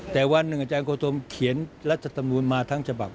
แต่วันหนึ่งอาจารย์โคธมเขียนรัฐธรรมนูลมาทั้งฉบับ